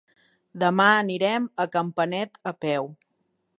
Demà anirem a Campanet a peu.